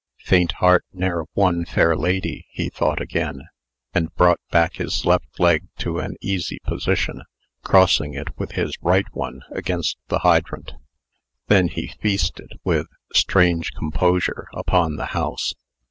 "Faint Heart Ne'er Won Fair Lady," he thought again, and brought back his left leg to an easy position, crossing it with his right one against the hydrant. Then he feasted, with strange composure, upon the house.